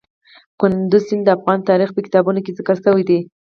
کندز سیند د افغان تاریخ په کتابونو کې ذکر شوی دي.